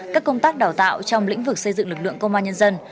các công tác đào tạo trong lĩnh vực xây dựng lực lượng công an nhân dân